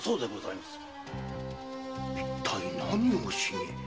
一体何をしに？